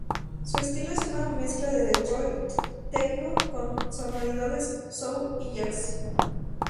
Su estilo es una mezcla de Detroit techno con sonoridades soul y jazz.